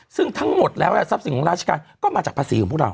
ซึ่งทั้งหมดแล้วทรัพย์สินของราชการก็มาจากภาษีของพวกเรา